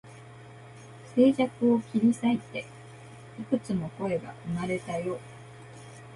静寂を切り裂いて、幾つも声が生まれたよ